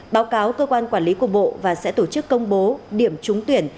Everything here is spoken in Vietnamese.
báo cáo cơ quan quản lý của bộ và sẽ tổ chức công bố điểm trúng tuyển